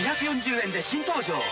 ２４０円で新登場。